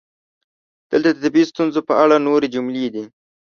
دلته د طبیعي ستونزو په اړه نورې جملې دي: